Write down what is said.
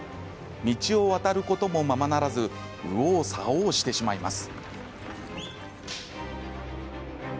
道を渡ることもままならず右往左往してしまいます。